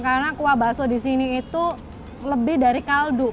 karena kuah kuah bakso di sini itu lebih dari kaldu